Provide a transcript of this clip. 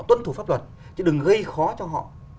tuân thủ pháp luật chứ đừng gây khó cho họ